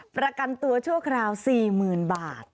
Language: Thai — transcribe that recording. ประกันตัวชั่วคราว๔๐๐๐บาท